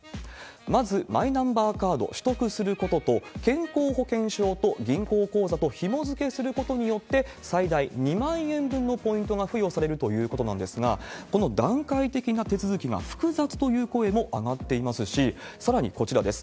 まずマイナンバーカード取得することと、健康保険証と銀行口座とひもづけすることによって、最大２万円分のポイントが付与されるということなんですが、この段階的な手続きが複雑という声も上がっていますし、さらにこちらです。